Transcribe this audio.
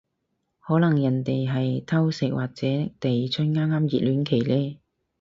可能人哋係偷食或者第二春啱啱熱戀期呢